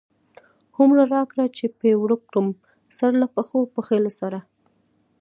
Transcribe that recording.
هو مره را کړه چی پی ورک کړم، سرله پښو، پښی له سره